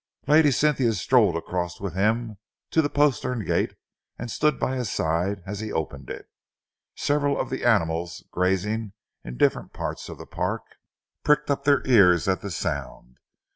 Lady Cynthia strolled across with him to the postern gate and stood by his side after he had opened it. Several of the animals, grazing in different parts of the park, pricked up their ears at the sound.